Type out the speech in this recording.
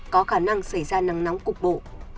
có khả năng xảy ra nắng nóng cục bộ